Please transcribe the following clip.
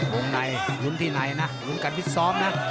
ลุ้นในลุ้นที่ในนะลุ้นกันพิษซอฟต์นะ